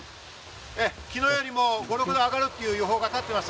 昨日よりも５６度、上がるという予報がたっています。